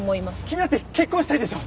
君だって結婚したいでしょ？